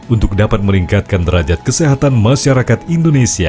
untuk dapat meningkatkan derajat kesehatan masyarakat indonesia